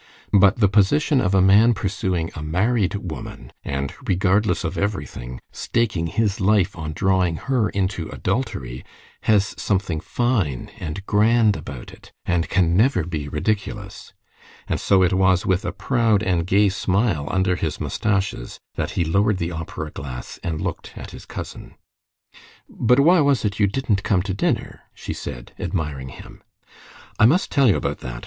But the position of a man pursuing a married woman, and, regardless of everything, staking his life on drawing her into adultery, has something fine and grand about it, and can never be ridiculous; and so it was with a proud and gay smile under his mustaches that he lowered the opera glass and looked at his cousin. "But why was it you didn't come to dinner?" she said, admiring him. "I must tell you about that.